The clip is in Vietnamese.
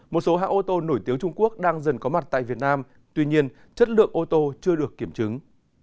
một số hãng ô tô nổi tiếng trung quốc đang dần có mặt tại việt nam tuy nhiên chất lượng ô tô chưa được kiểm chứng